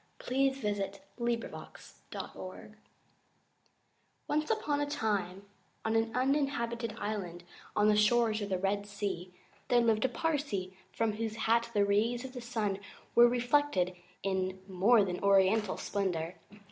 HOW THE RHINOCEROS GOT HIS SKIN ONCE upon a time, on an uninhabited island on the shores of the Red Sea, there lived a Parsee from whose hat the rays of the sun were reflected in more than oriental splendour.